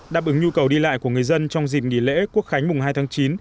đáp ứng nhu cầu đi lại của người dân trong dịp nghỉ lễ quốc khánh mùng hai tháng chín